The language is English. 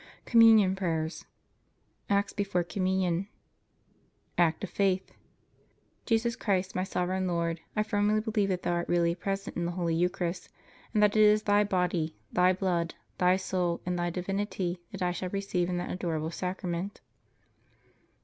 COMMUNION PRAYERS ACTS BEFORE COMMUNION Act of Faith. Jesus Christ, my Sovereign Lord, I firmly believe that Thou art really present in the Holy Eucharist, and that it is Thy body, Thy blood, Thy soul, and Thy divinity that I shall receive in that Adorable Sacrament.